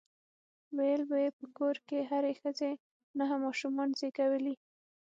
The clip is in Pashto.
ويل به يې په کور کې هرې ښځې نهه ماشومان زيږولي.